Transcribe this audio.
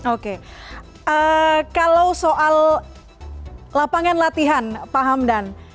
oke kalau soal lapangan latihan paham dan